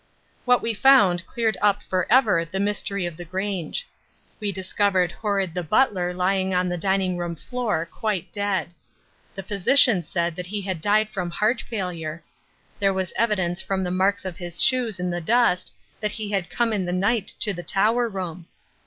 What we found cleared up for ever the mystery of the Grange. We discovered Horrod the butler lying on the dining room floor quite dead. The physician said that he had died from heart failure. There was evidence from the marks of his shoes in the dust that he had come in the night to the tower room.